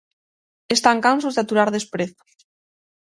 Están cansos de aturar desprezos.